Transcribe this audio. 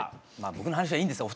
僕の話はいいんです。